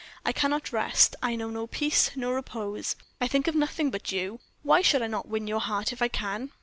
I cannot rest; I know no peace, no repose; I think of nothing but you! Why should I not win your heart if I can?"